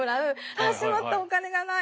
「あしまったお金がない。